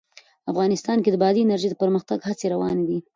افغانستان کې د بادي انرژي د پرمختګ هڅې روانې دي.